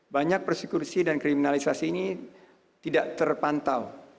banyak persekusi dan kriminalisasi ini tidak terpantau